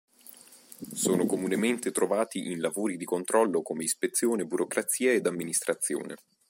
Sono comunemente trovati in lavori di controllo come ispezione, burocrazia ed amministrazione.